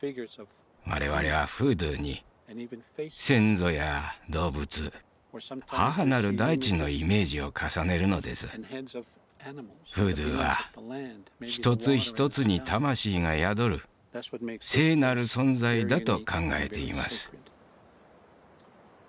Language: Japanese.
我々はフードゥーに先祖や動物母なる大地のイメージを重ねるのですフードゥーは一つ一つに魂が宿る聖なる存在だと考えています